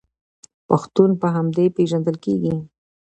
پښتون په همدې پیژندل کیږي.